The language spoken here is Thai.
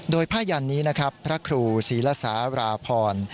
โดยผ้ายันนี้นะครับพระครูศรีละสาราพร